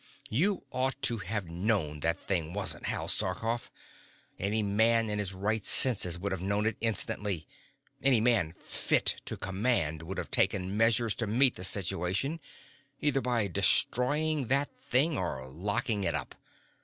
"You ought to have known that thing wasn't Hal Sarkoff. Any man in his right senses would have known it instantly. Any man fit to command would have taken measures to meet the situation, either by destroying that thing, or locking it up.